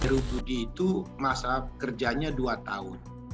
guru budi itu masa kerjanya dua tahun